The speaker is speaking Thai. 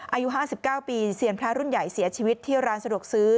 อายุ๕๙ปีเซียนพระรุ่นใหญ่เสียชีวิตที่ร้านสะดวกซื้อ